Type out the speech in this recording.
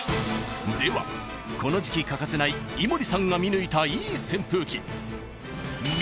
［ではこの時期欠かせない伊森さんが見抜いた］